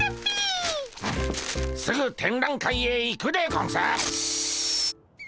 すぐ展覧会へ行くでゴンス！